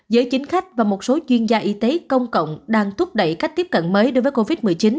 giới chính khách và một số chuyên gia y tế công cộng đang thúc đẩy cách tiếp cận mới đối với covid một mươi chín